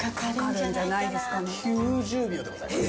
９０秒でございます。